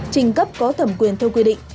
trình cấp có thẩm quyền theo quy định